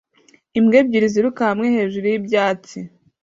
Imbwa ebyiri ziruka hamwe hejuru y'ibyatsi